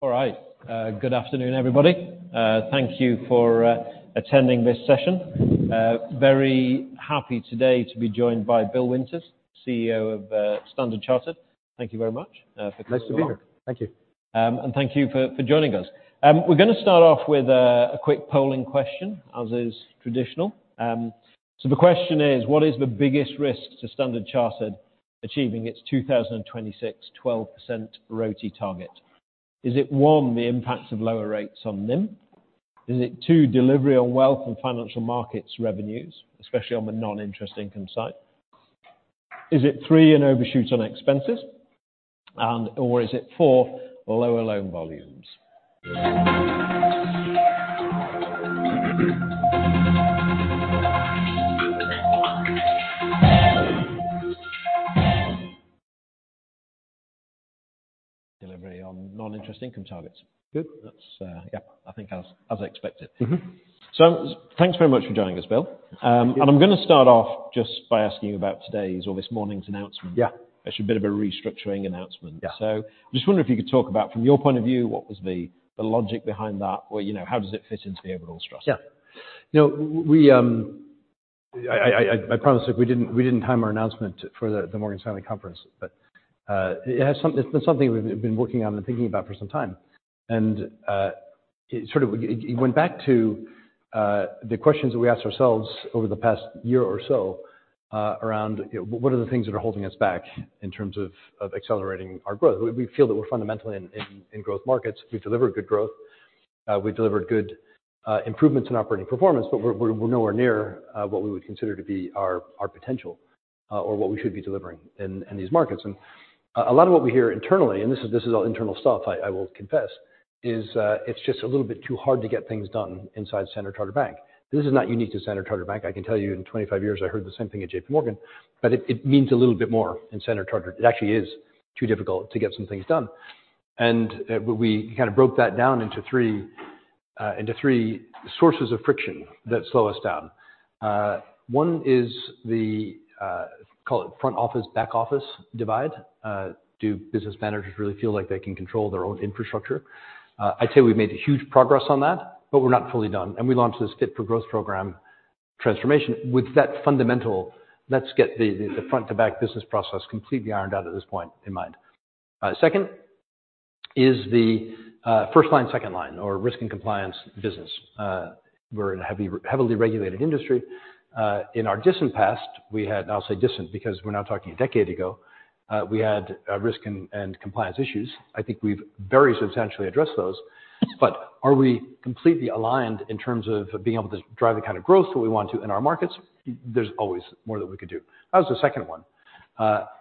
All right, good afternoon everybody. Thank you for attending this session. Very happy today to be joined by Bill Winters, CEO of Standard Chartered. Thank you very much for coming on. Nice to be here. Thank you. And thank you for joining us. We're going to start off with a quick polling question, as is traditional. So the question is, what is the biggest risk to Standard Chartered achieving its 2026 12% ROTE target? Is it one, the impacts of lower rates on NIM? Is it two, delivery on wealth and financial markets revenues, especially on the non-interest income side? Is it three, an overshoot on expenses? And or is it four, lower loan volumes? Delivery on non-interest income targets. Good. That's, yeah, I think as expected. Mm-hmm. Thanks very much for joining us, Bill. I'm going to start off just by asking you about today's, or this morning's announcement. Yeah. Actually, a bit of a restructuring announcement. Yeah. I just wonder if you could talk about, from your point of view, what was the logic behind that, or, you know, how does it fit into the overall stress? Yeah. You know, I promised, look, we didn't time our announcement for the Morgan Stanley conference, but it has something it's been something we've been working on and thinking about for some time. It sort of went back to the questions that we asked ourselves over the past year or so, around you know what are the things that are holding us back in terms of accelerating our growth? We feel that we're fundamentally in growth markets. We've delivered good growth. We've delivered good improvements in operating performance, but we're nowhere near what we would consider to be our potential, or what we should be delivering in these markets. A lot of what we hear internally, and this is, this is all internal stuff, I, I will confess, is, it's just a little bit too hard to get things done inside Standard Chartered Bank. This is not unique to Standard Chartered Bank. I can tell you, in 25 years, I heard the same thing at JPMorgan, but it, it means a little bit more in Standard Chartered. It actually is too difficult to get some things done. We kind of broke that down into three, into three sources of friction that slow us down. One is the, call it front-office, back-office divide. Do business managers really feel like they can control their own infrastructure? I'd say we've made huge progress on that, but we're not fully done. We launched this Fit for Growth program transformation. With that fundamental, let's get the front-to-back business process completely ironed out at this point in mind. Second is the first-line, second-line, or risk and compliance business. We're in a heavily regulated industry. In our distant past, we had, and I'll say distant because we're now talking a decade ago, we had risk and compliance issues. I think we've very substantially addressed those. But are we completely aligned in terms of being able to drive the kind of growth that we want to in our markets? There's always more that we could do. That was the second one.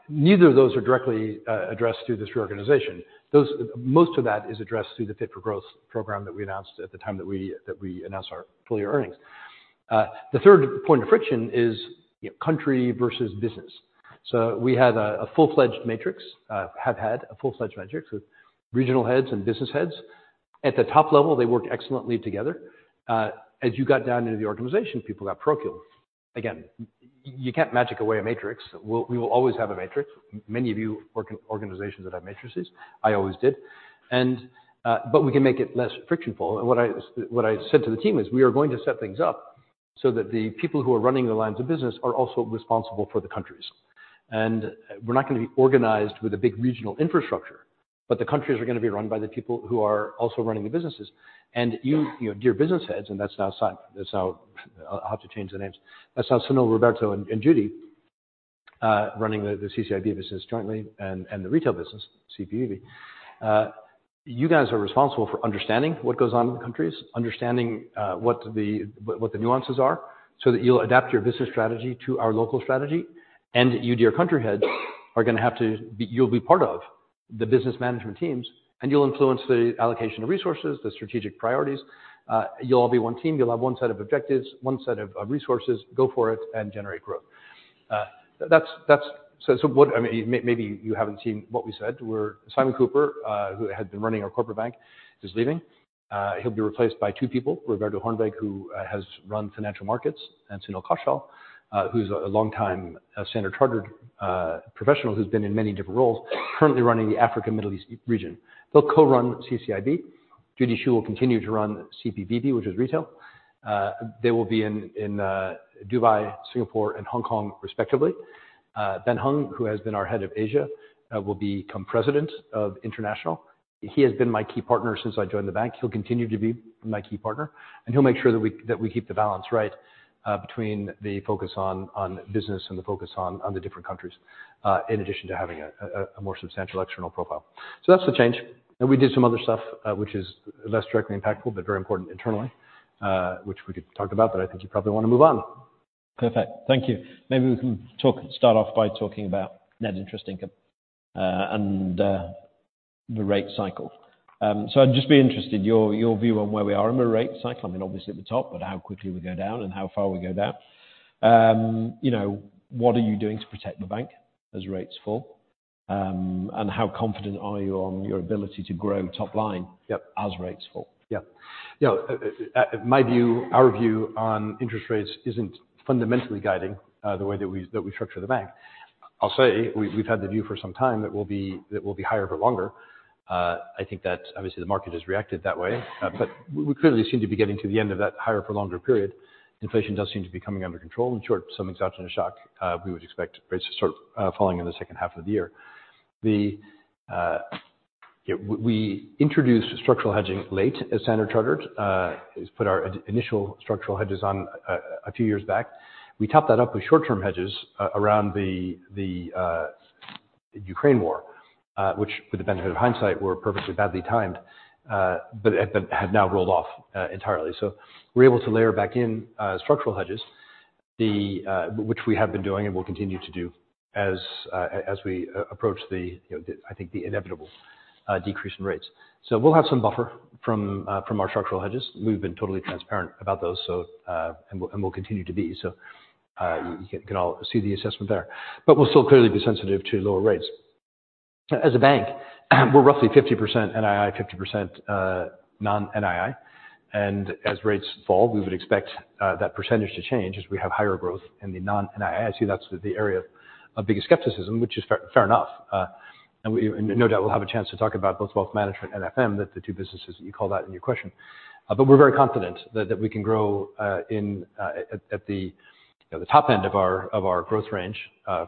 Neither of those are directly addressed through this reorganization. Those, most of that is addressed through the Fit for Growth program that we announced at the time that we announced our full-year earnings. The third point of friction is, you know, country versus business. So we have had a full-fledged matrix with regional heads and business heads. At the top level, they worked excellently together. As you got down into the organization, people got parochial. Again, you can't magic away a matrix. We'll always have a matrix. Many of you work in organizations that have matrices. I always did. But we can make it less frictionful. And what I said to the team is, we are going to set things up so that the people who are running the lines of business are also responsible for the countries. And we're not going to be organized with a big regional infrastructure, but the countries are going to be run by the people who are also running the businesses. And you, you know, dear business heads—and that's now Simon—that's now, I'll have to change the names—that's now Sunil, Roberto, and Judy, running the CCIB business jointly and the retail business, CPBB. You guys are responsible for understanding what goes on in the countries, understanding what the nuances are, so that you'll adapt your business strategy to our local strategy. And you, dear country heads, are going to have to be—you'll be part of the business management teams, and you'll influence the allocation of resources, the strategic priorities. You'll all be one team. You'll have one set of objectives, one set of resources. Go for it and generate growth. That's—so what—I mean, maybe you haven't seen what we said. We're Simon Cooper, who had been running our corporate bank, is leaving. He'll be replaced by two people: Roberto Hoornweg, who has run financial markets, and Sunil Kaushal, who's a long-time Standard Chartered professional who's been in many different roles, currently running the Africa-Middle East region. They'll co-run CCIB. Judy Hsu will continue to run CPBB, which is retail. They will be in Dubai, Singapore, and Hong Kong, respectively. Ben Hung, who has been our head of Asia, will become president of international. He has been my key partner since I joined the bank. He'll continue to be my key partner. And he'll make sure that we keep the balance right, between the focus on business and the focus on the different countries, in addition to having a more substantial external profile. So that's the change. We did some other stuff, which is less directly impactful but very important internally, which we could talk about, but I think you probably want to move on. Perfect. Thank you. Maybe we can talk, start off by talking about net interest income, and the rate cycle. So I'd just be interested in your view on where we are in the rate cycle. I mean, obviously at the top, but how quickly we go down and how far we go down. You know, what are you doing to protect the bank as rates fall? And how confident are you on your ability to grow top line as rates fall? Yeah. Yeah. Yeah. My view, our view, on interest rates isn't fundamentally guiding the way that we structure the bank. I'll say we've had the view for some time that we'll be higher for longer. I think that, obviously, the market has reacted that way. But we clearly seem to be getting to the end of that higher-for-longer period. Inflation does seem to be coming under control. In short, some exogenous shock, we would expect rates to start falling in the second half of the year. You know, we introduced structural hedging late as Standard Chartered. We put our initial structural hedges on a few years back. We topped that up with short-term hedges around the Ukraine war, which, with the benefit of hindsight, were perfectly badly timed, but had now rolled off entirely. So we're able to layer back in structural hedges, which we have been doing and will continue to do as we approach the, you know, the—I think—the inevitable decrease in rates. So we'll have some buffer from our structural hedges. We've been totally transparent about those, so and we'll continue to be. So you can all see the assessment there. But we'll still clearly be sensitive to lower rates. As a bank, we're roughly 50% NII, 50% non-NII. And as rates fall, we would expect that percentage to change as we have higher growth in the non-NII. I see that's the area of biggest skepticism, which is fair enough. And no doubt we'll have a chance to talk about both wealth management and FM, the two businesses that you call that in your question. But we're very confident that we can grow in, at the, you know, the top end of our growth range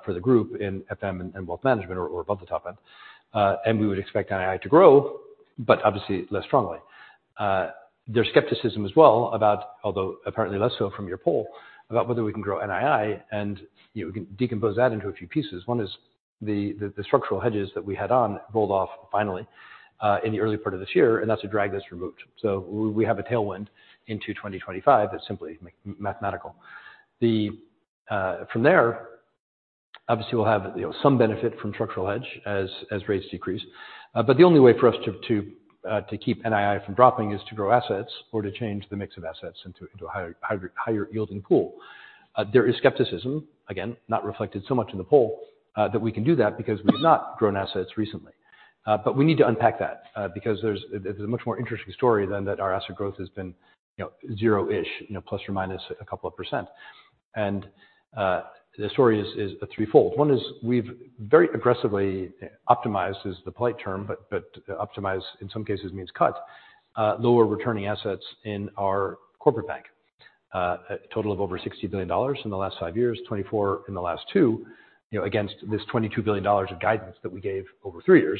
for the group in FM and wealth management, or above the top end. We would expect NII to grow, but obviously less strongly. There's skepticism as well about, although apparently less so from your poll, about whether we can grow NII. You know, we can decompose that into a few pieces. One is the structural hedges that we had on rolled off finally in the early part of this year, and that's a drag that's removed. We have a tailwind into 2025 that's simply mathematical. From there, obviously, we'll have, you know, some benefit from structural hedge as rates decrease. But the only way for us to keep NII from dropping is to grow assets or to change the mix of assets into a higher-yielding pool. There is skepticism, again, not reflected so much in the poll, that we can do that because we have not grown assets recently. But we need to unpack that because there's a much more interesting story than that our asset growth has been, you know, zero-ish, you know, plus or minus a couple of percent. And the story is threefold. One is we've very aggressively optimized, is the polite term, but optimized in some cases means cut, lower returning assets in our corporate bank, a total of over $60 billion in the last five years, $24 billion in the last two, you know, against this $22 billion of guidance that we gave over three years,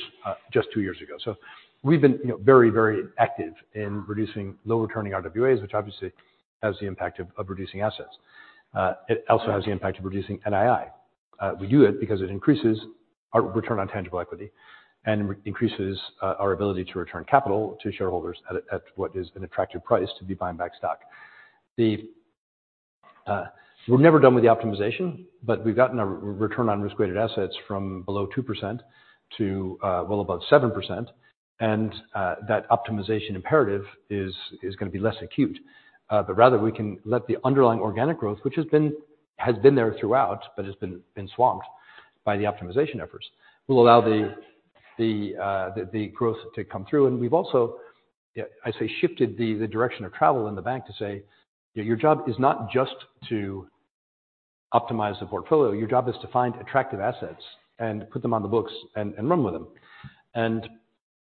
just two years ago. So we've been, you know, very, very active in reducing low-returning RWAs, which obviously has the impact of reducing assets. It also has the impact of reducing NII. We do it because it increases our return on tangible equity and increases our ability to return capital to shareholders at what is an attractive price to be buying back stock. We're never done with the optimization, but we've gotten our return on risk-weighted assets from below 2% to well above 7%. And that optimization imperative is going to be less acute. But rather, we can let the underlying organic growth, which has been there throughout but has been swamped by the optimization efforts, allow the growth to come through. And we've also, I say, shifted the direction of travel in the bank to say, "Your job is not just to optimize the portfolio. Your job is to find attractive assets and put them on the books and run with them."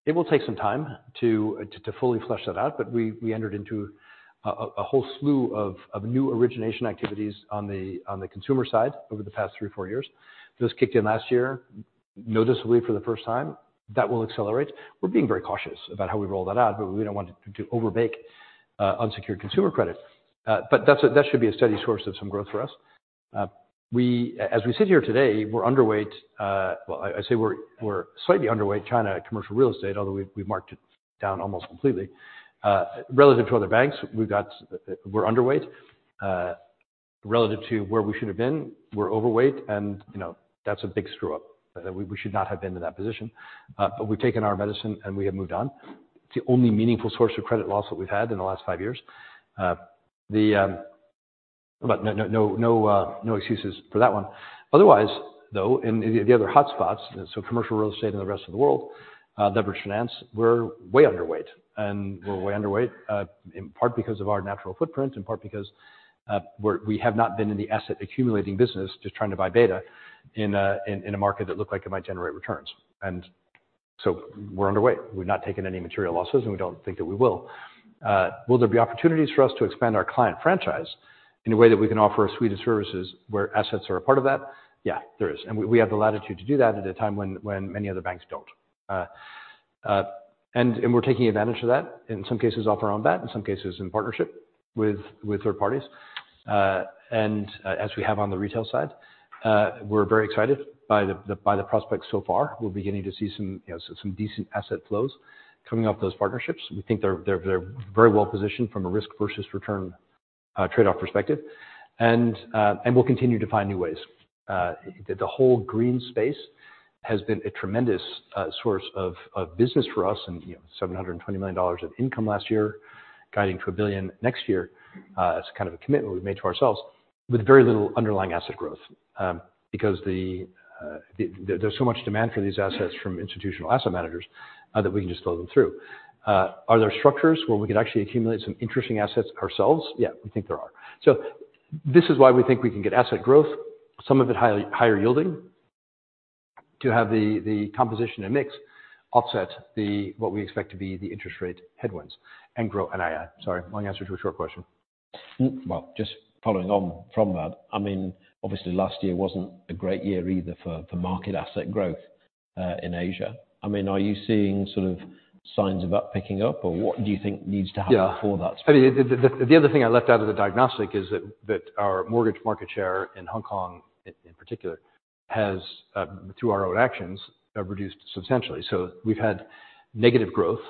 It will take some time to fully flush that out, but we entered into a whole slew of new origination activities on the consumer side over the past 3, 4 years. This kicked in last year noticeably for the first time. That will accelerate. We're being very cautious about how we roll that out, but we don't want to overbake unsecured consumer credit. That should be a steady source of some growth for us. As we sit here today, we're underweight - well, I say we're slightly underweight China commercial real estate, although we've marked it down almost completely - relative to other banks. We've got - we're underweight relative to where we should have been. We're overweight. And, you know, that's a big screw-up. We should not have been in that position. But we've taken our medicine, and we have moved on. It's the only meaningful source of credit loss that we've had in the last five years. But no, no, no excuses for that one. Otherwise, though, in the other hotspots, so commercial real estate and the rest of the world, leveraged finance, we're way underweight. And we're way underweight in part because of our natural footprint, in part because we have not been in the asset-accumulating business just trying to buy beta in a market that looked like it might generate returns. And so we're underweight. We've not taken any material losses, and we don't think that we will. Will there be opportunities for us to expand our client franchise in a way that we can offer a suite of services where assets are a part of that? Yeah, there is. We have the latitude to do that at a time when many other banks don't. We're taking advantage of that, in some cases off our own bet, in some cases in partnership with third parties. As we have on the retail side, we're very excited by the prospects so far. We're beginning to see some decent asset flows coming off those partnerships. We think they're very well positioned from a risk versus return trade-off perspective. We'll continue to find new ways. The whole green space has been a tremendous source of business for us and $720 million of income last year, guiding to $1 billion next year. That's kind of a commitment we've made to ourselves with very little underlying asset growth because there's so much demand for these assets from institutional asset managers that we can just blow them through. Are there structures where we could actually accumulate some interesting assets ourselves? Yeah, we think there are. So this is why we think we can get asset growth, some of it higher-yielding, to have the composition and mix offset what we expect to be the interest rate headwinds and grow NII. Sorry, long answer to a short question. Well, just following on from that, I mean, obviously, last year wasn't a great year either for market asset growth in Asia. I mean, are you seeing sort of signs of picking up, or what do you think needs to happen for that? Yeah. I mean, the other thing I left out of the diagnostic is that our mortgage market share in Hong Kong, in particular, has, through our own actions, reduced substantially. So we've had negative growth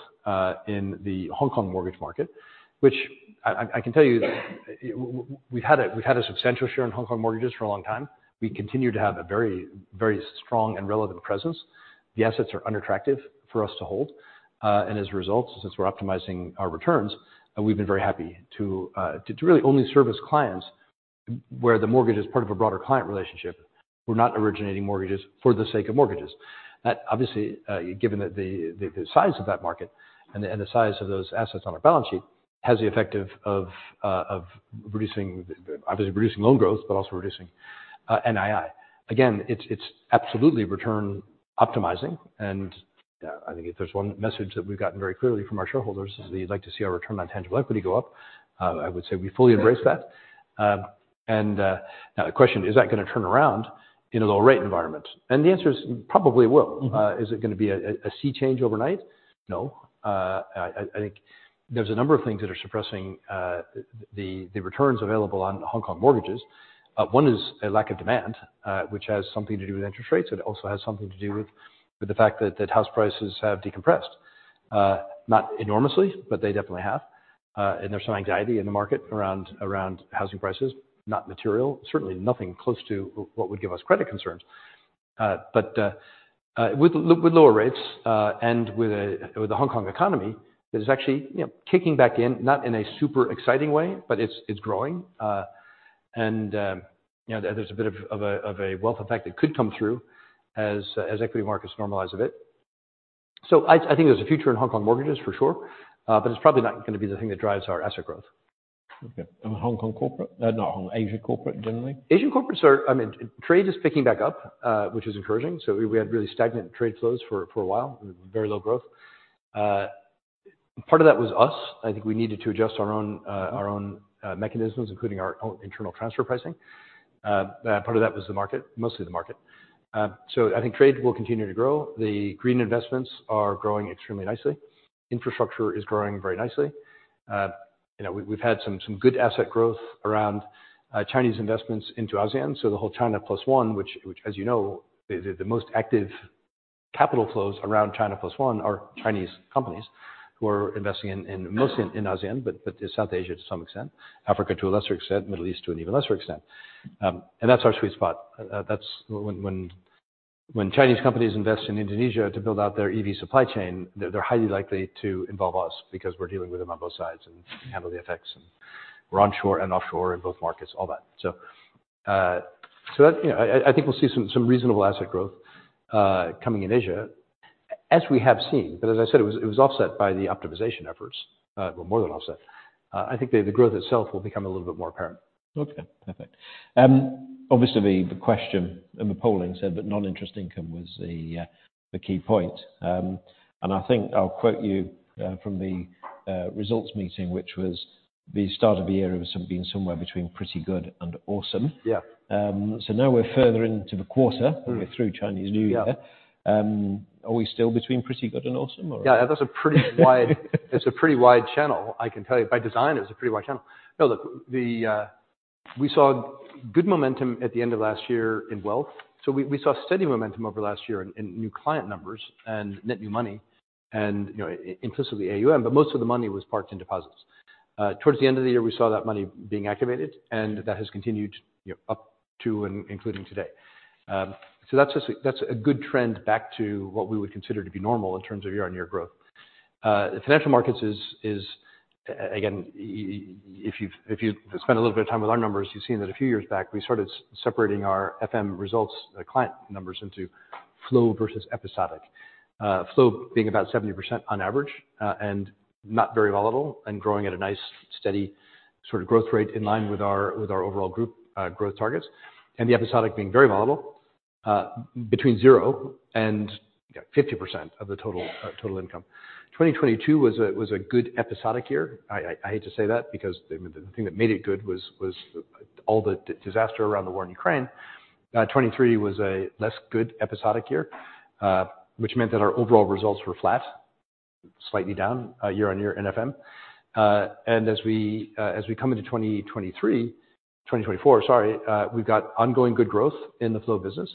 in the Hong Kong mortgage market, which I can tell you, we've had a substantial share in Hong Kong mortgages for a long time. We continue to have a very, very strong and relevant presence. The assets are unattractive for us to hold. And as a result, since we're optimizing our returns, we've been very happy to really only service clients where the mortgage is part of a broader client relationship. We're not originating mortgages for the sake of mortgages. That, obviously, given the size of that market and the size of those assets on our balance sheet, has the effect of reducing, obviously, loan growth, but also reducing NII. Again, it's absolutely return-optimizing. I think if there's one message that we've gotten very clearly from our shareholders is that we'd like to see our return on tangible equity go up. I would say we fully embrace that. Now the question is, is that going to turn around in a low-rate environment? The answer is probably it will. Is it going to be a sea change overnight? No. I think there's a number of things that are suppressing the returns available on Hong Kong mortgages. One is a lack of demand, which has something to do with interest rates. It also has something to do with the fact that house prices have decompressed. Not enormously, but they definitely have. There's some anxiety in the market around housing prices, not material, certainly nothing close to what would give us credit concerns. But with lower rates and with the Hong Kong economy, it is actually kicking back in, not in a super exciting way, but it's growing. And there's a bit of a wealth effect that could come through as equity markets normalize a bit. So I think there's a future in Hong Kong mortgages, for sure, but it's probably not going to be the thing that drives our asset growth. Okay. And Hong Kong corporate? Not Hong Kong. Asian corporate, generally? Asian corporates are, I mean, trade is picking back up, which is encouraging. So we had really stagnant trade flows for a while, very low growth. Part of that was us. I think we needed to adjust our own mechanisms, including our own internal transfer pricing. Part of that was the market, mostly the market. So I think trade will continue to grow. The green investments are growing extremely nicely. Infrastructure is growing very nicely. We've had some good asset growth around Chinese investments into ASEAN. So the whole China plus one, which, as you know, the most active capital flows around China plus one are Chinese companies who are investing mostly in ASEAN, but to South Asia to some extent, Africa to a lesser extent, Middle East to an even lesser extent. And that's our sweet spot. When Chinese companies invest in Indonesia to build out their EV supply chain, they're highly likely to involve us because we're dealing with them on both sides and handle the effects, and we're onshore and offshore in both markets, all that. So I think we'll see some reasonable asset growth coming in Asia, as we have seen. But as I said, it was offset by the optimization efforts, well, more than offset. I think the growth itself will become a little bit more apparent. Okay. Perfect. Obviously, the question and the polling said that non-interest income was the key point. And I think I'll quote you from the results meeting, which was the start of the year being somewhere between pretty good and awesome. So now we're further into the quarter, and we're through Chinese New Year. Are we still between pretty good and awesome, or? Yeah, that's a pretty wide channel, I can tell you. By design, it was a pretty wide channel. No, look, we saw good momentum at the end of last year in wealth. So we saw steady momentum over last year in new client numbers and net new money, and implicitly AUM, but most of the money was parked in deposits. Towards the end of the year, we saw that money being activated, and that has continued up to and including today. So that's a good trend back to what we would consider to be normal in terms of year-on-year growth. The financial markets is, again, if you've spent a little bit of time with our numbers, you've seen that a few years back, we started separating our FM results, client numbers, into flow versus episodic, flow being about 70% on average and not very volatile and growing at a nice, steady sort of growth rate in line with our overall group growth targets, and the episodic being very volatile, between 0%-50% of the total income. 2022 was a good episodic year. I hate to say that because the thing that made it good was all the disaster around the war in Ukraine. 2023 was a less good episodic year, which meant that our overall results were flat, slightly down year-on-year in FM. As we come into 2024, sorry, we've got ongoing good growth in the flow business.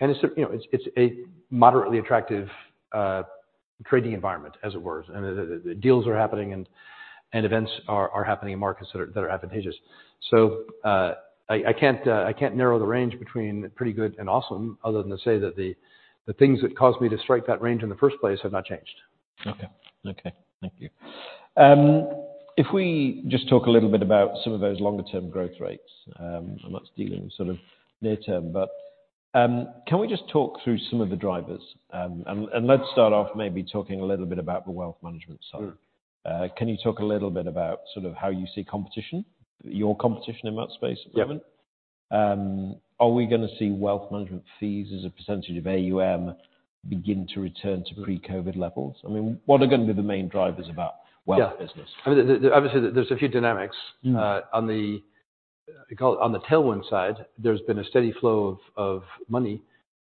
It's a moderately attractive trading environment, as it were. Deals are happening, and events are happening in markets that are advantageous. I can't narrow the range between pretty good and awesome other than to say that the things that caused me to strike that range in the first place have not changed. Okay. Okay. Thank you. If we just talk a little bit about some of those longer-term growth rates, I'm not dealing with sort of near-term, but can we just talk through some of the drivers? And let's start off maybe talking a little bit about the wealth management side. Can you talk a little bit about sort of how you see competition, your competition in that space at the moment? Are we going to see wealth management fees as a percentage of AUM begin to return to pre-COVID levels? I mean, what are going to be the main drivers about wealth business? Yeah. I mean, obviously, there's a few dynamics. On the tailwind side, there's been a steady flow of money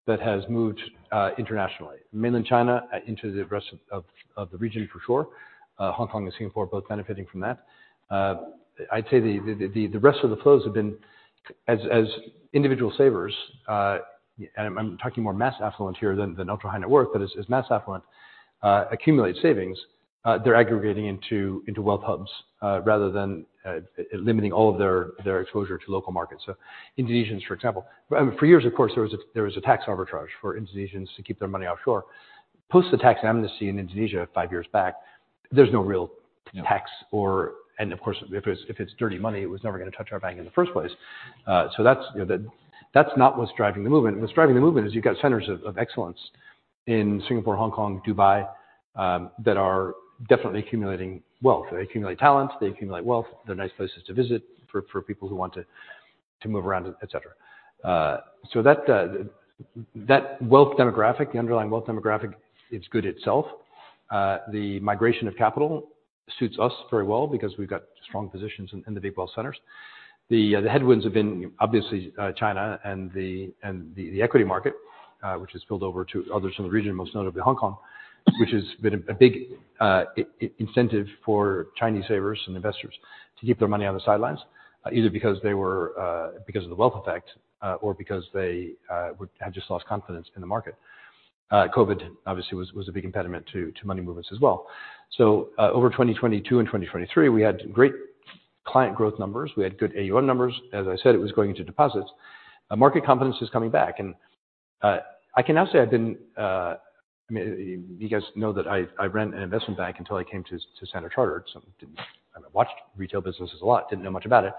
that has moved internationally, mainland China into the rest of the region, for sure. Hong Kong and Singapore are both benefiting from that. I'd say the rest of the flows have been, as individual savers, and I'm talking more mass affluent here than ultra-high net worth, but as mass affluent accumulate savings, they're aggregating into wealth hubs rather than limiting all of their exposure to local markets. So Indonesians, for example, for years, of course, there was a tax arbitrage for Indonesians to keep their money offshore. Post the tax amnesty in Indonesia five years back, there's no real tax or, and of course, if it's dirty money, it was never going to touch our bank in the first place. So that's not what's driving the movement. What's driving the movement is you've got centers of excellence in Singapore, Hong Kong, Dubai that are definitely accumulating wealth. They accumulate talent. They accumulate wealth. They're nice places to visit for people who want to move around, etc. So that wealth demographic, the underlying wealth demographic, is good itself. The migration of capital suits us very well because we've got strong positions in the big wealth centers. The headwinds have been, obviously, China and the equity market, which has spilled over to others in the region, most notably Hong Kong, which has been a big incentive for Chinese savers and investors to keep their money on the sidelines, either because of the wealth effect or because they had just lost confidence in the market. COVID, obviously, was a big impediment to money movements as well. So over 2022 and 2023, we had great client growth numbers. We had good AUM numbers. As I said, it was going into deposits. Market confidence is coming back. And I can now say I've been—I mean, you guys know that I ran an investment bank until I came to Standard Chartered. I watched retail businesses a lot, didn't know much about it.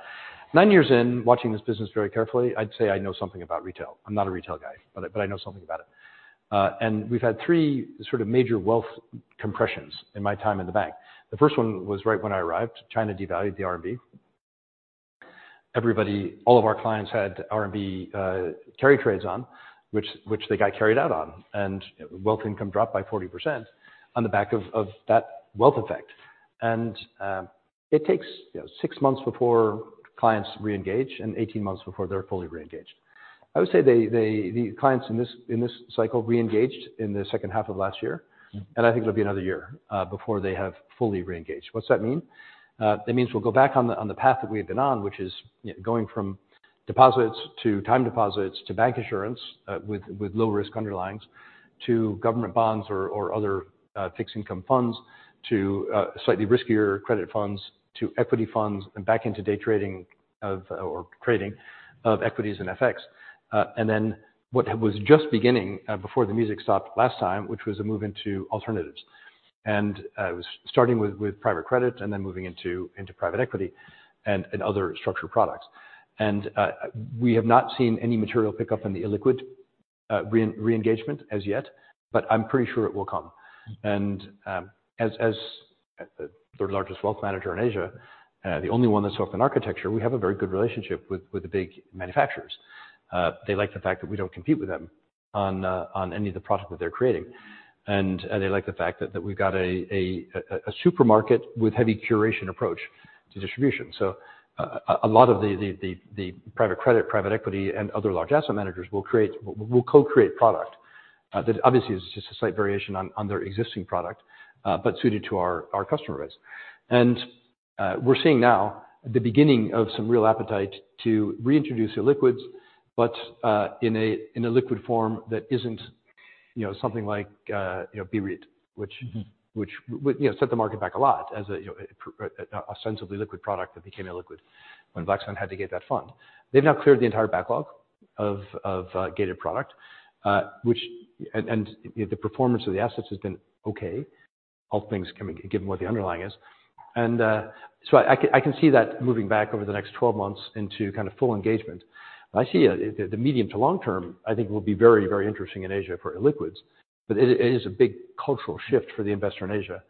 Nine years in, watching this business very carefully, I'd say I know something about retail. I'm not a retail guy, but I know something about it. And we've had three sort of major wealth compressions in my time in the bank. The first one was right when I arrived. China devalued the RMB. All of our clients had RMB carry trades on, which they got carried out on. And wealth income dropped by 40% on the back of that wealth effect. And it takes six months before clients reengage and 18 months before they're fully reengaged. I would say the clients in this cycle reengaged in the second half of last year. And I think it'll be another year before they have fully reengaged. What's that mean? That means we'll go back on the path that we had been on, which is going from deposits to time deposits to bank insurance with low-risk underlyings to government bonds or other fixed income funds to slightly riskier credit funds to equity funds and back into day trading or trading of equities and FX. And then what was just beginning before the music stopped last time, which was a move into alternatives. And it was starting with private credit and then moving into private equity and other structured products. And we have not seen any material pickup in the illiquid reengagement as yet, but I'm pretty sure it will come. As the largest wealth manager in Asia, the only one that's open architecture, we have a very good relationship with the big manufacturers. They like the fact that we don't compete with them on any of the product that they're creating. And they like the fact that we've got a supermarket with heavy curation approach to distribution. So a lot of the private credit, private equity, and other large asset managers will co-create product that obviously is just a slight variation on their existing product but suited to our customer base. And we're seeing now the beginning of some real appetite to reintroduce illiquids, but in a liquid form that isn't something like BREIT, which set the market back a lot as a sensibly liquid product that became illiquid when Blackstone had to gate that fund. They've now cleared the entire backlog of gated product, and the performance of the assets has been okay, all things given what the underlying is. And so I can see that moving back over the next 12 months into kind of full engagement. I see the medium to long term, I think, will be very, very interesting in Asia for illiquids. But it is a big cultural shift for the investor in Asia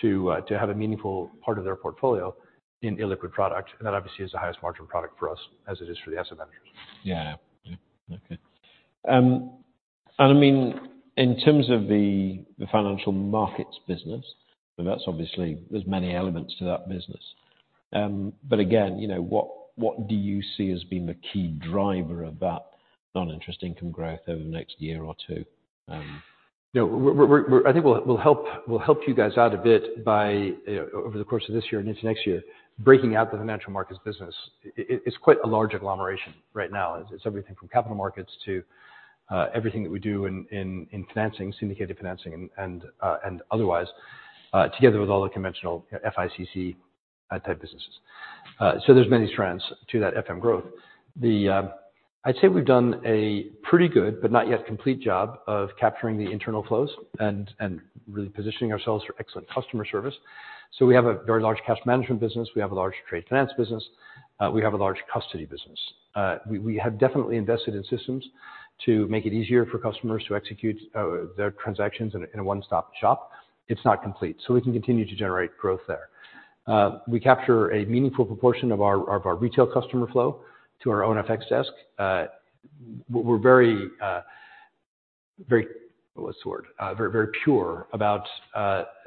to have a meaningful part of their portfolio in illiquid product. And that obviously is the highest margin product for us as it is for the asset managers. Yeah. Yeah. Okay. And I mean, in terms of the financial markets business, there's many elements to that business. But again, what do you see as being the key driver of that non-interest income growth over the next year or two? No, I think we'll help you guys out a bit over the course of this year and into next year, breaking out the financial markets business. It's quite a large agglomeration right now. It's everything from capital markets to everything that we do in financing, syndicated financing, and otherwise, together with all the conventional FICC-type businesses. So there's many strands to that FM growth. I'd say we've done a pretty good but not yet complete job of capturing the internal flows and really positioning ourselves for excellent customer service. So we have a very large cash management business. We have a large trade finance business. We have a large custody business. We have definitely invested in systems to make it easier for customers to execute their transactions in a one-stop shop. It's not complete. So we can continue to generate growth there. We capture a meaningful proportion of our retail customer flow to our own FX desk. We're very—what's the word?—very pure about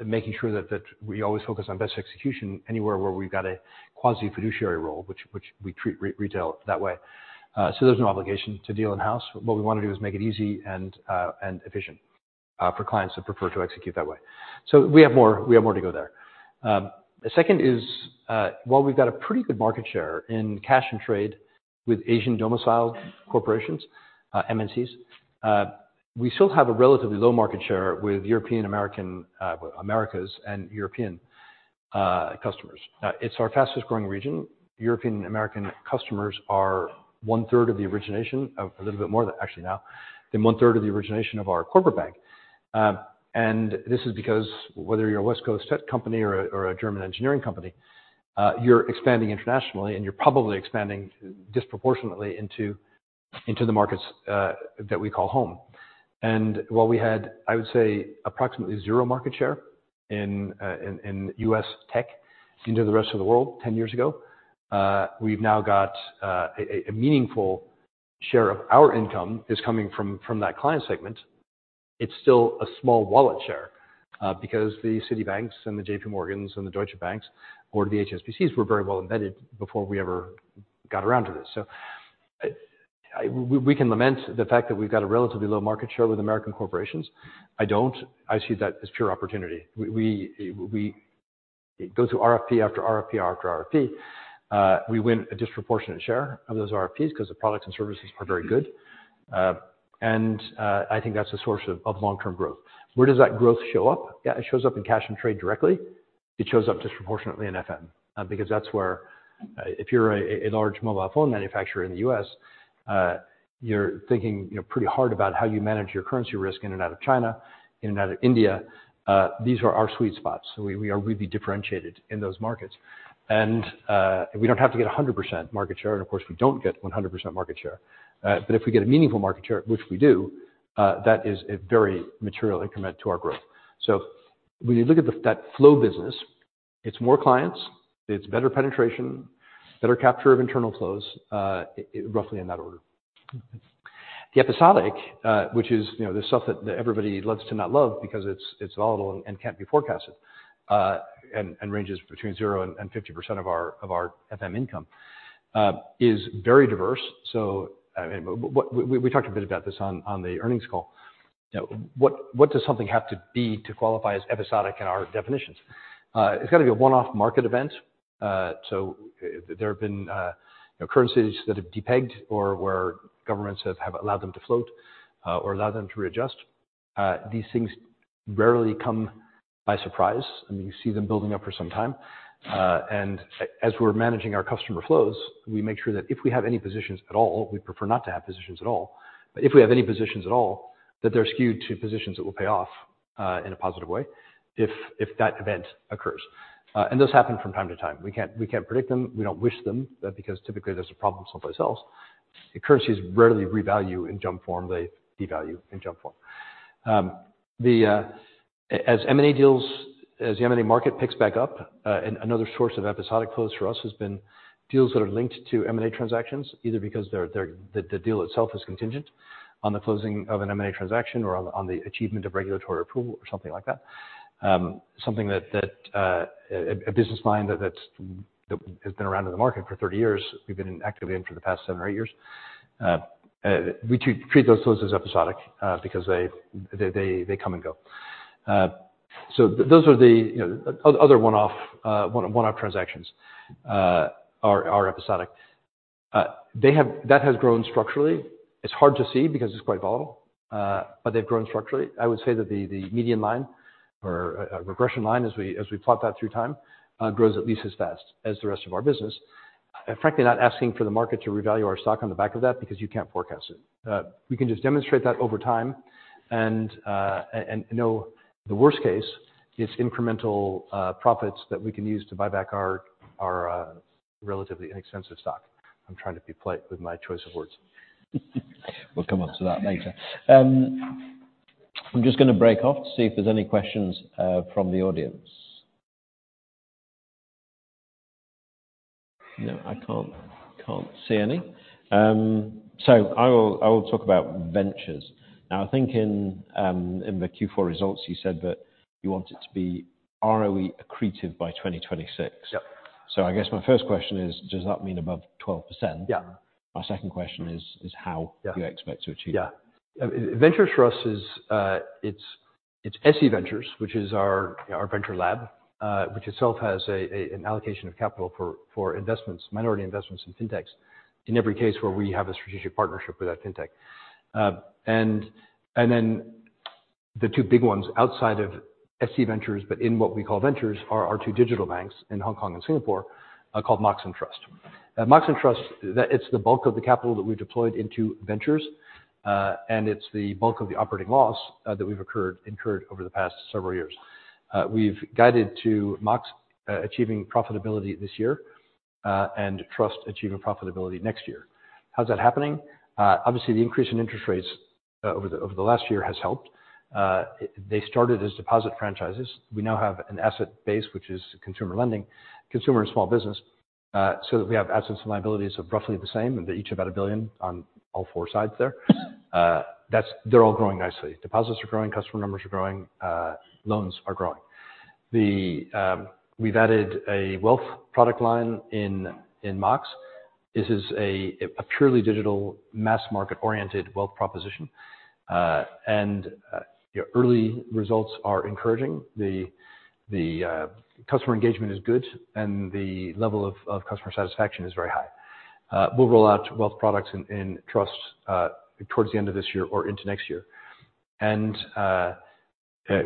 making sure that we always focus on best execution anywhere where we've got a quasi-fiduciary role, which we treat retail that way. So there's no obligation to deal in-house. What we want to do is make it easy and efficient for clients that prefer to execute that way. So we have more to go there. Second is, while we've got a pretty good market share in cash and trade with Asian domiciled corporations, MNCs, we still have a relatively low market share with European Americas and European customers. It's our fastest-growing region. European American customers are 1/3 of the origination of a little bit more, actually, now, than one-third of the origination of our corporate bank. This is because, whether you're a West Coast tech company or a German engineering company, you're expanding internationally, and you're probably expanding disproportionately into the markets that we call home. While we had, I would say, approximately zero market share in U.S. tech into the rest of the world 10 years ago, we've now got a meaningful share of our income that is coming from that client segment. It's still a small wallet share because the Citibanks and the JPMorgans and the Deutsche Banks or the HSBCs were very well embedded before we ever got around to this. We can lament the fact that we've got a relatively low market share with American corporations. I don't. I see that as pure opportunity. We go through RFP after RFP after RFP. We win a disproportionate share of those RFPs because the products and services are very good. And I think that's a source of long-term growth. Where does that growth show up? Yeah, it shows up in cash and trade directly. It shows up disproportionately in FM because that's where, if you're a large mobile phone manufacturer in the U.S., you're thinking pretty hard about how you manage your currency risk in and out of China, in and out of India. These are our sweet spots. So we are really differentiated in those markets. And we don't have to get 100% market share. And of course, we don't get 100% market share. But if we get a meaningful market share, which we do, that is a very material increment to our growth. So when you look at that flow business, it's more clients. It's better penetration, better capture of internal flows, roughly in that order. The episodic, which is the stuff that everybody loves to not love because it's volatile and can't be forecasted and ranges between 0%-50% of our FICC income, is very diverse. So we talked a bit about this on the earnings call. What does something have to be to qualify as episodic in our definitions? It's got to be a one-off market event. So there have been currencies that have depegged or where governments have allowed them to float or allowed them to readjust. These things rarely come by surprise. I mean, you see them building up for some time. And as we're managing our customer flows, we make sure that if we have any positions at all, we prefer not to have positions at all. But if we have any positions at all, that they're skewed to positions that will pay off in a positive way if that event occurs. And those happen from time to time. We can't predict them. We don't wish them because typically, there's a problem someplace else. Currencies rarely revalue in jump form. They devalue in jump form. As the M&A market picks back up, another source of episodic flows for us has been deals that are linked to M&A transactions, either because the deal itself is contingent on the closing of an M&A transaction or on the achievement of regulatory approval or something like that, something that a business line that has been around in the market for 30 years, we've been actively in for the past 7 or 8 years. We treat those flows as episodic because they come and go. So those are the other one-off transactions are episodic. That has grown structurally. It's hard to see because it's quite volatile, but they've grown structurally. I would say that the median line or regression line, as we plot that through time, grows at least as fast as the rest of our business. Frankly, not asking for the market to revalue our stock on the back of that because you can't forecast it. We can just demonstrate that over time. No, the worst case, it's incremental profits that we can use to buy back our relatively inexpensive stock. I'm trying to be polite with my choice of words. We'll come up to that later. I'm just going to break off to see if there's any questions from the audience. No, I can't see any. So I will talk about ventures. Now, I think in the Q4 results, you said that you want it to be ROE accretive by 2026. So I guess my first question is, does that mean above 12%? My second question is, how do you expect to achieve that? Yeah. Ventures for us, it's SC Ventures, which is our venture lab, which itself has an allocation of capital for minority investments in fintechs, in every case where we have a strategic partnership with that fintech. And then the two big ones outside of SC Ventures, but in what we call ventures, are our two digital banks in Hong Kong and Singapore called Mox and Trust. Mox and Trust, it's the bulk of the capital that we've deployed into ventures, and it's the bulk of the operating loss that we've incurred over the past several years. We've guided to Mox achieving profitability this year and Trust achieving profitability next year. How's that happening? Obviously, the increase in interest rates over the last year has helped. They started as deposit franchises. We now have an asset base, which is consumer lending, consumer and small business, so that we have assets and liabilities of roughly the same, and they're each about $1 billion on all four sides there. They're all growing nicely. Deposits are growing. Customer numbers are growing. Loans are growing. We've added a wealth product line in Mox. This is a purely digital, mass-market-oriented wealth proposition. Early results are encouraging. The customer engagement is good, and the level of customer satisfaction is very high. We'll roll out wealth products in Trust towards the end of this year or into next year.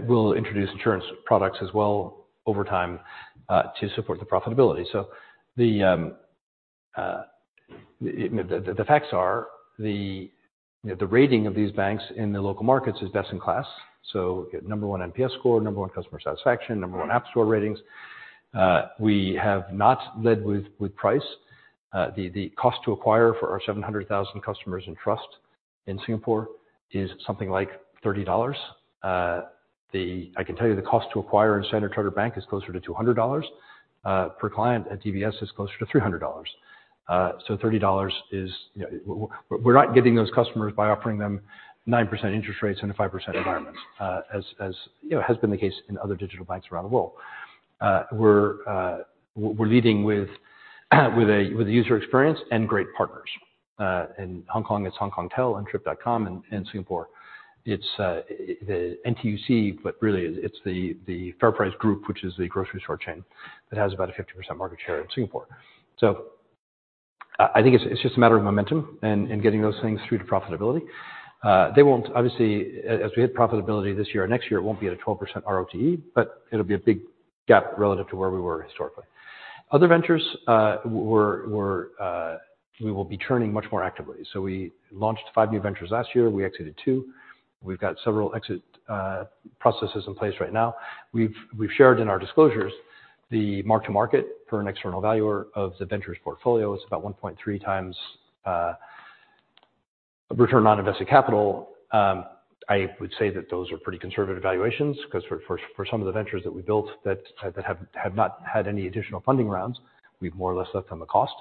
We'll introduce insurance products as well over time to support the profitability. The facts are, the rating of these banks in the local markets is best in class, so number one NPS score, number one customer satisfaction, number one app store ratings. We have not led with price. The cost to acquire for our 700,000 customers in Trust in Singapore is something like $30. I can tell you the cost to acquire in Standard Chartered Bank is closer to $200. Per client at DBS, it's closer to $300. So $30 is we're not getting those customers by offering them 9% interest rates and a 5% environment, as has been the case in other digital banks around the world. We're leading with a user experience and great partners. In Hong Kong, it's HKT and Trip.com. In Singapore, it's the NTUC, but really, it's the FairPrice Group, which is the grocery store chain that has about a 50% market share in Singapore. So I think it's just a matter of momentum and getting those things through to profitability. They won't, obviously, as we hit profitability this year and next year, it won't be at a 12% ROTE, but it'll be a big gap relative to where we were historically. Other ventures, we will be churning much more actively. So we launched 5 new ventures last year. We exited 2. We've got several exit processes in place right now. We've shared in our disclosures the mark-to-market for an external valuer of the ventures portfolio. It's about 1.3x return on invested capital. I would say that those are pretty conservative valuations because for some of the ventures that we built that have not had any additional funding rounds, we've more or less left them a cost.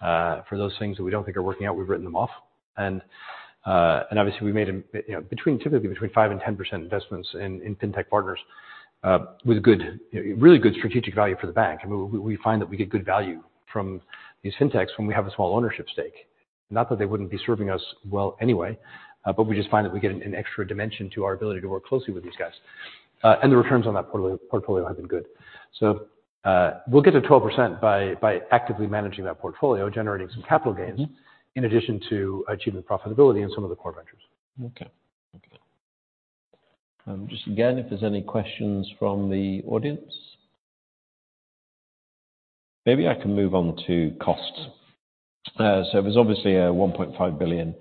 For those things that we don't think are working out, we've written them off. Obviously, we made typically between 5%-10% investments in fintech partners with really good strategic value for the bank. I mean, we find that we get good value from these fintechs when we have a small ownership stake, not that they wouldn't be serving us well anyway, but we just find that we get an extra dimension to our ability to work closely with these guys. The returns on that portfolio have been good. We'll get to 12% by actively managing that portfolio, generating some capital gains in addition to achieving profitability in some of the core ventures. Okay. Okay. Just again, if there's any questions from the audience, maybe I can move on to costs. So there's obviously a $1.5 billion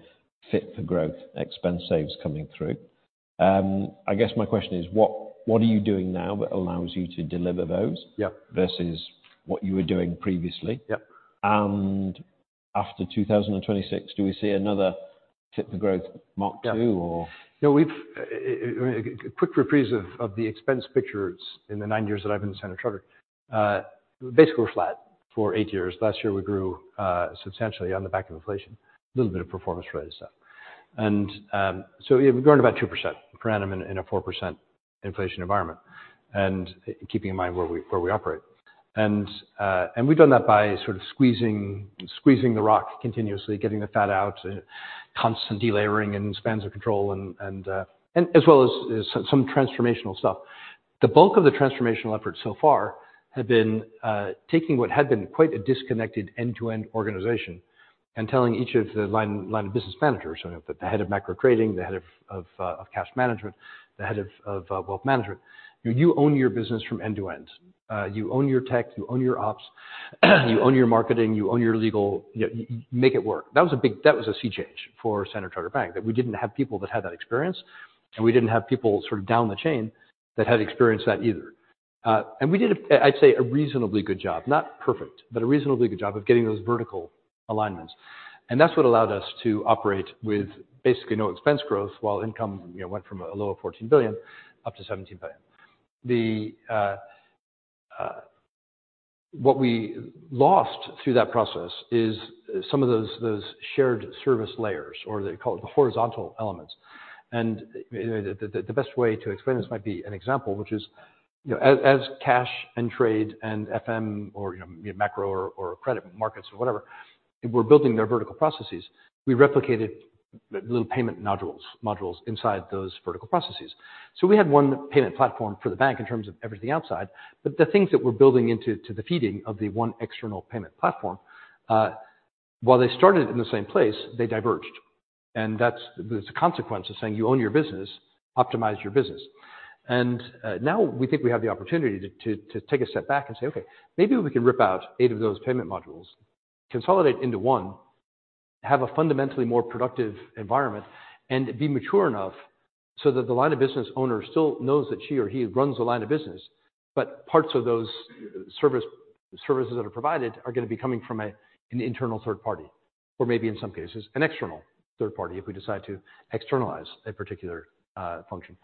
fit for growth expense saves coming through. I guess my question is, what are you doing now that allows you to deliver those versus what you were doing previously? And after 2026, do we see another fit for growth mark two, or? Yeah. No, I mean, a quick reprieve of the expense picture in the nine years that I've been at Standard Chartered. Basically, we're flat for eight years. Last year, we grew substantially on the back of inflation, a little bit of performance-related stuff. And so we've grown about 2% per annum in a 4% inflation environment and keeping in mind where we operate. And we've done that by sort of squeezing the rock continuously, getting the fat out, constant delayering and spans of control, as well as some transformational stuff. The bulk of the transformational effort so far had been taking what had been quite a disconnected end-to-end organization and telling each of the line of business managers, the head of macro trading, the head of cash management, the head of wealth management, "You own your business from end to end. You own your tech. You own your ops. You own your marketing. You own your legal. Make it work." That was a sea change for Standard Chartered Bank, that we didn't have people that had that experience, and we didn't have people sort of down the chain that had experienced that either. And we did, I'd say, a reasonably good job, not perfect, but a reasonably good job of getting those vertical alignments. And that's what allowed us to operate with basically no expense growth while income went from a low of $14 billion up to $17 billion. What we lost through that process is some of those shared service layers, or they call it the horizontal elements. And the best way to explain this might be an example, which is, as cash and trade and FM or macro or credit markets or whatever, we're building their vertical processes, we replicated little payment modules inside those vertical processes. We had one payment platform for the bank in terms of everything outside. The things that we're building into the feeding of the one external payment platform, while they started in the same place, they diverged. That's a consequence of saying, "You own your business. Optimize your business." Now we think we have the opportunity to take a step back and say, "Okay, maybe we can rip out eight of those payment modules, consolidate into one, have a fundamentally more productive environment, and be mature enough so that the line of business owner still knows that she or he runs the line of business, but parts of those services that are provided are going to be coming from an internal third party or maybe, in some cases, an external third party if we decide to externalize a particular function."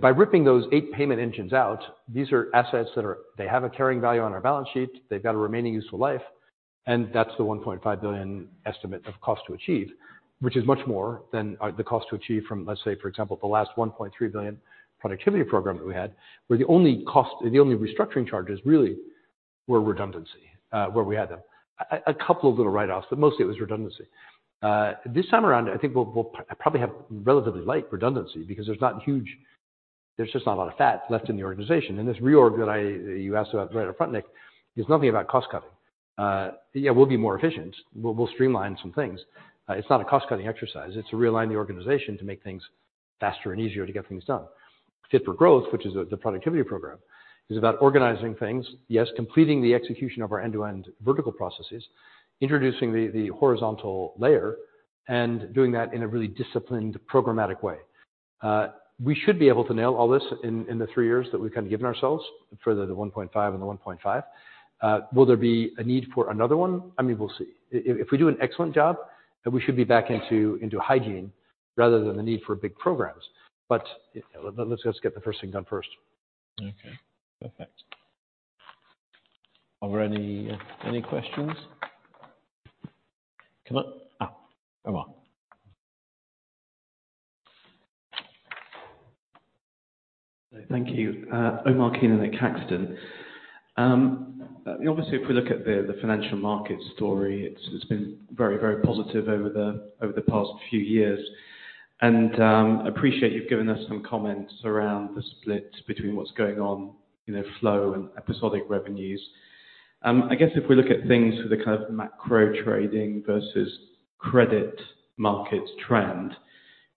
By ripping those eight payment engines out, these are assets that have a carrying value on our balance sheet. They've got a remaining useful life. That's the $1.5 billion estimate of cost to achieve, which is much more than the cost to achieve from, let's say, for example, the last $1.3 billion productivity program that we had, where the only restructuring charges really were redundancy, where we had them, a couple of little write-offs, but mostly it was redundancy. This time around, I think we'll probably have relatively light redundancy because there's just not a lot of fat left in the organization. And this reorg that you asked about right up front, Nick, is nothing about cost-cutting. Yeah, we'll be more efficient. We'll streamline some things. It's not a cost-cutting exercise. It's to realign the organization to make things faster and easier to get things done. Fit for growth, which is the productivity program, is about organizing things, yes, completing the execution of our end-to-end vertical processes, introducing the horizontal layer, and doing that in a really disciplined, programmatic way. We should be able to nail all this in the three years that we've kind of given ourselves, further the 1.5 and the 1.5. Will there be a need for another one? I mean, we'll see. If we do an excellent job, we should be back into hygiene rather than the need for big programs. Let's get the first thing done first. Okay. Perfect. Are there any questions? Come on. Oh, Omar. Thank you. Omar Keenan at Caxton. Obviously, if we look at the financial markets story, it's been very, very positive over the past few years. And I appreciate you've given us some comments around the split between what's going on, flow, and episodic revenues. I guess if we look at things for the kind of macro trading versus credit markets trend,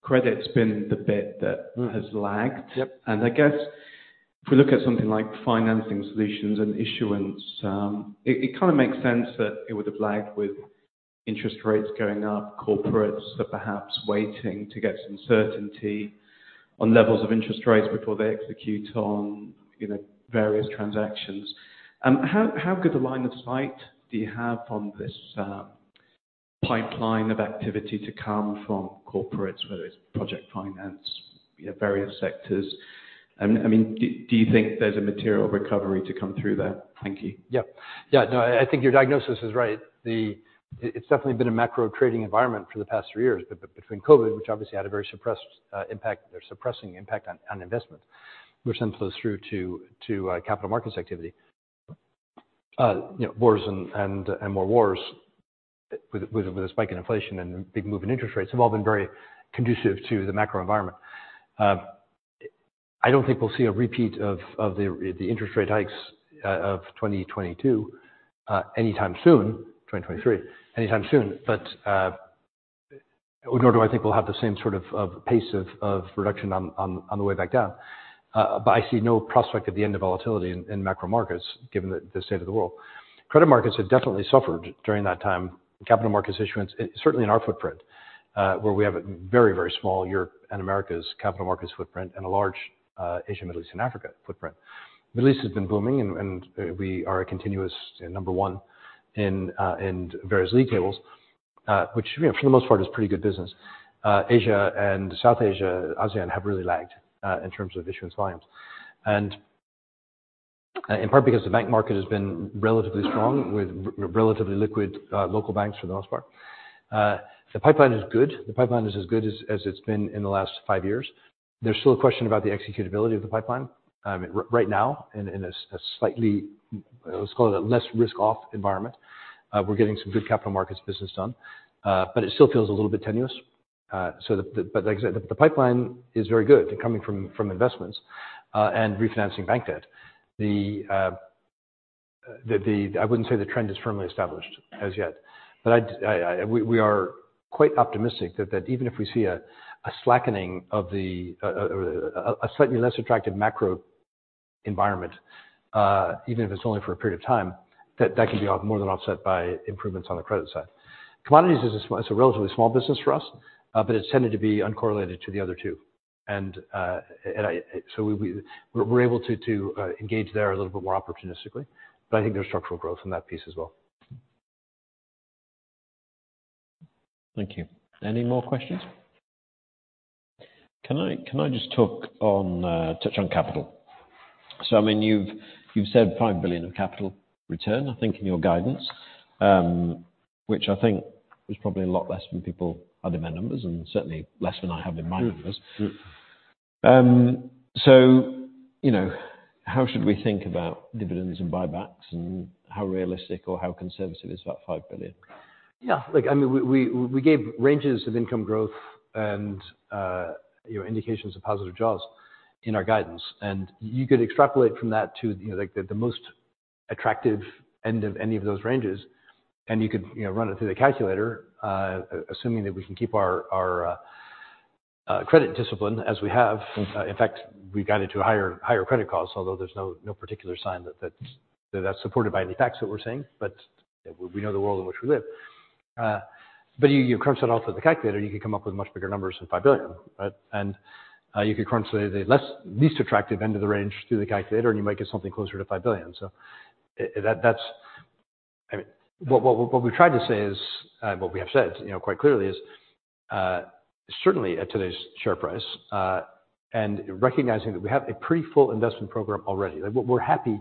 credit's been the bit that has lagged. And I guess if we look at something like financing solutions and issuance, it kind of makes sense that it would have lagged with interest rates going up, corporates that perhaps waiting to get some certainty on levels of interest rates before they execute on various transactions. How good a line of sight do you have on this pipeline of activity to come from corporates, whether it's project finance, various sectors? I mean, do you think there's a material recovery to come through there? Thank you. Yeah. Yeah. No, I think your diagnosis is right. It's definitely been a macro trading environment for the past three years, but between COVID, which obviously had a very suppressing impact on investments, which then flows through to capital markets activity, wars and more wars with a spike in inflation and a big move in interest rates, have all been very conducive to the macro environment. I don't think we'll see a repeat of the interest rate hikes of 2022 anytime soon, 2023, anytime soon. Nor do I think we'll have the same sort of pace of reduction on the way back down. But I see no prospect of the end of volatility in macro markets, given the state of the world. Credit markets have definitely suffered during that time, capital markets issuance, certainly in our footprint, where we have a very, very small Europe and America's capital markets footprint and a large Asia, Middle East, and Africa footprint. Middle East has been booming, and we are a continuous number one in various league tables, which, for the most part, is pretty good business. Asia and South Asia, ASEAN, have really lagged in terms of issuance volumes, in part because the bank market has been relatively strong with relatively liquid local banks for the most part. The pipeline is good. The pipeline is as good as it's been in the last five years. There's still a question about the executability of the pipeline. Right now, in a slightly, let's call it, a less risk-off environment, we're getting some good capital markets business done. But it still feels a little bit tenuous. But like I said, the pipeline is very good coming from investments and refinancing bank debt. I wouldn't say the trend is firmly established as yet. But we are quite optimistic that even if we see a slackening or a slightly less attractive macro environment, even if it's only for a period of time, that can be more than offset by improvements on the credit side. Commodities is a relatively small business for us, but it's tended to be uncorrelated to the other two. And so we're able to engage there a little bit more opportunistically. But I think there's structural growth in that piece as well. Thank you. Any more questions? Can I just touch on capital? So, I mean, you've said $5 billion of capital return, I think, in your guidance, which I think is probably a lot less than people have in their numbers and certainly less than I have in my numbers. So how should we think about dividends and buybacks, and how realistic or how conservative is that $5 billion? Yeah. I mean, we gave ranges of income growth and indications of positive jaws in our guidance. You could extrapolate from that to the most attractive end of any of those ranges. You could run it through the calculator, assuming that we can keep our credit discipline as we have. In fact, we've got it to a higher credit cost, although there's no particular sign that that's supported by any facts that we're saying. But we know the world in which we live. But you crunch that off of the calculator, you can come up with much bigger numbers than $5 billion, right? You could crunch the least attractive end of the range through the calculator, and you might get something closer to $5 billion. So what we've tried to say is what we have said quite clearly is, certainly at today's share price and recognizing that we have a pretty full investment program already, we're happy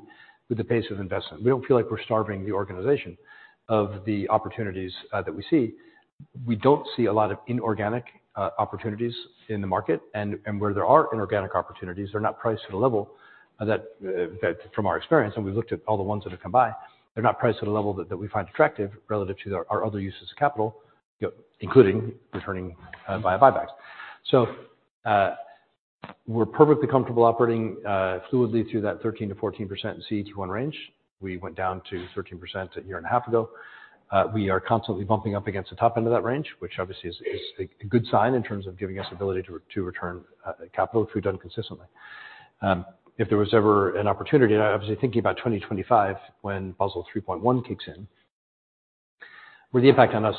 with the pace of investment. We don't feel like we're starving the organization of the opportunities that we see. We don't see a lot of inorganic opportunities in the market. And where there are inorganic opportunities, they're not priced at a level that, from our experience, and we've looked at all the ones that have come by, they're not priced at a level that we find attractive relative to our other uses of capital, including returning via buybacks. So we're perfectly comfortable operating fluidly through that 13%-14% CET1 range. We went down to 13% a year and a half ago. We are constantly bumping up against the top end of that range, which obviously is a good sign in terms of giving us ability to return capital if we've done consistently. If there was ever an opportunity, obviously thinking about 2025 when Basel 3.1 kicks in, where the impact on us,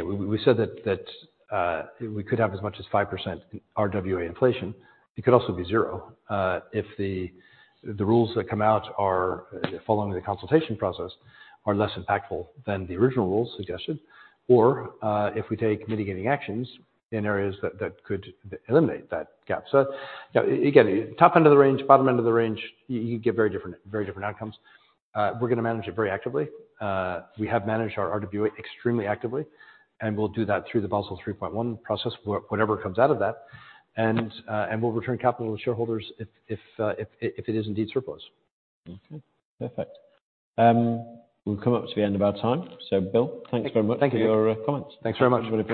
we said that we could have as much as 5% RWA inflation. It could also be zero if the rules that come out following the consultation process are less impactful than the original rules suggested, or if we take mitigating actions in areas that could eliminate that gap. So again, top end of the range, bottom end of the range, you get very different outcomes. We're going to manage it very actively. We have managed our RWA extremely actively, and we'll do that through the Basel 3.1 process, whatever comes out of that. We'll return capital to shareholders if it is indeed surplus. Okay. Perfect. We've come up to the end of our time. So, Bill, thanks very much for your comments. Thanks very much.